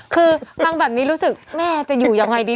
คือฟังแบบนี้รู้สึกแม่จะอยู่ยังไงดี